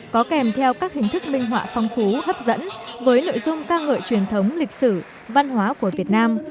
có kèm theo các hình thức minh họa phong phú hấp dẫn với nội dung ca ngợi truyền thống lịch sử văn hóa của việt nam